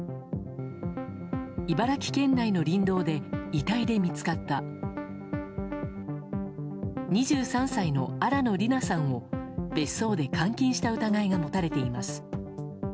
茨城県内の林道で遺体で見つかった２３歳の新野りなさんを別荘で監禁した疑いが持たれています。